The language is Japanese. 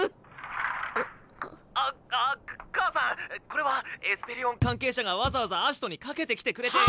これはエスペリオン関係者がわざわざ葦人にかけてきてくれて。